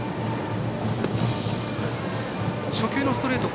初球のストレート